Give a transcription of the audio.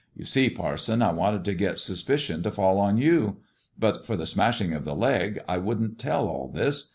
''You see, parson, I wanted to get suspicion to fall on you. But for the smashing of the leg, I wouldn't tell all this.